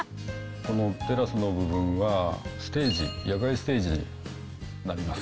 このテラスの部分はステージ、野外ステージになります。